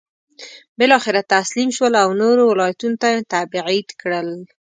بالاخره تسلیم شول او نورو ولایتونو ته یې تبعید کړل.